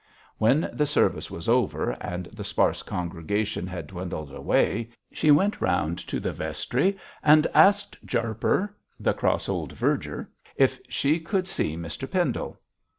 When the service was over, and the sparse congregation had dwindled away, she went round to the vestry and asked Jarper, the cross old verger, if she could see Mr Pendle.